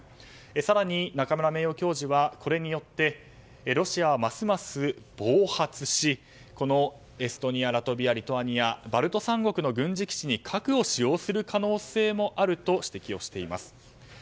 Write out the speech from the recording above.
更に中村名誉教授はこれによってロシアはますます暴発しエストニア、ラトビアリトアニアに核を使用する可能性もあると指摘しています。